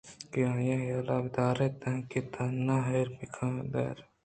کہ آئی ءِ حیالءَبِہ داریت دانکہ آتاہیر گپت بہ بیتءُ وپت بِہ کنت